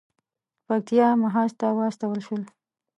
پکتیا محاذ ته واستول شول.